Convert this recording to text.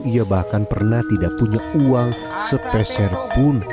ia bahkan pernah tidak punya uang sepeserpun